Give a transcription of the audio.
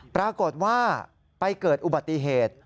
ปรากฏว่าไปเกิดอุบัติเหตุ